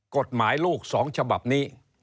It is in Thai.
กฎหมายลูก๒ฉบับนี้